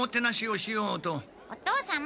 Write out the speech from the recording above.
お父様！